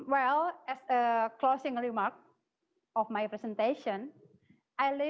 saya akan menjelaskan ke anda nanti